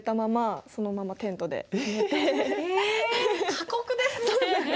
過酷ですね。